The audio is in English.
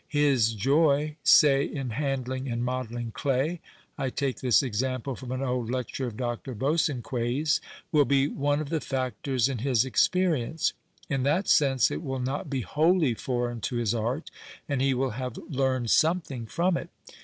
His joy, say, in handling and modcUinfr chiy (I take this example from an old lecture of Dr. Bosanquet's) will be one of the factors in his experience. In that sense it will not be " wholly foreign " to his art, and he will have " learned " something from it.